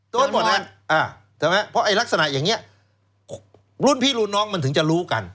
โดนหมดเพราะไอ้ลักษณะอย่างนี้รุ่นพี่รุ่นน้องมันถึงจะรู้กัน